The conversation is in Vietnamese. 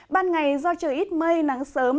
ban ngày do trời ít mây nắng sớm